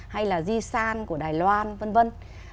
hay là g san của đài loan vân vân